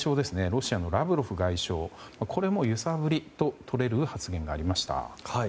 ロシアのラブロフ外相これも揺さぶりととれる発言がありました。